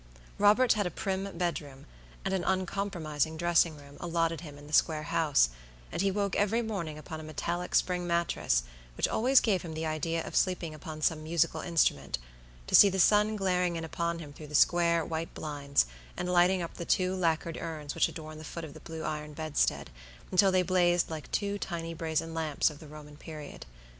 Robert had a prim bedroom, and an uncompromising dressing room allotted him in the square house, and he woke every morning upon a metallic spring mattress, which always gave him the idea of sleeping upon some musical instrument, to see the sun glaring in upon him through the square, white blinds and lighting up the two lackered urns which adorned the foot of the blue iron bedstead, until they blazed like two tiny brazen lamps of the Roman period.